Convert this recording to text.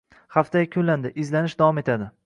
Haftalik yakunlandi: izlanish davom etadi